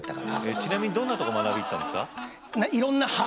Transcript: ちなみにどんなとこ学びに行ったんですか？